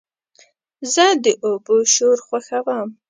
زه د اوبو شور خوښوم.